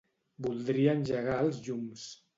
Voldria engegar els llums.